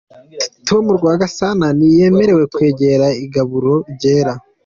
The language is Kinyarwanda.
Tom Rwagasana ntiyemerewe kwegera igaburo ryera.